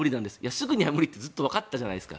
すぐに無理っていうのはわかっていたじゃないですか。